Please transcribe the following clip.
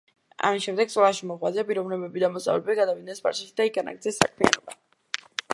ამის შემდეგ სკოლაში მოღვაწე პიროვნებები და მოსწავლეები გადავიდნენ სპარსეთში და იქ განაგრძეს საქმიანობა.